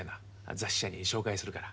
雑誌社に紹介するから。